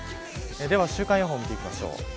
週間予報見ていきましょう。